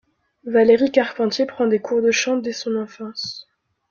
Valérie Carpentier prend des cours de chant dès son enfance.